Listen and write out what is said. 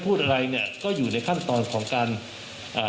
พูดอะไรเนี่ยก็อยู่ในขั้นตอนของการอ่า